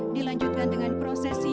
dilanjutkan dengan prosesi